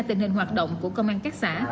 tình hình hoạt động của công an cấp xã